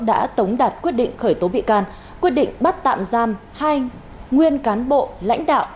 đã tống đạt quyết định khởi tố bị can quyết định bắt tạm giam hai nguyên cán bộ lãnh đạo